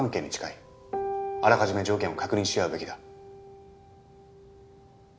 あらかじめ条件を確認し合うべきだ。